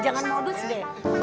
jangan modus deh